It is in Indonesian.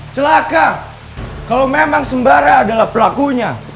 celaka kalau memang sembara adalah pelakunya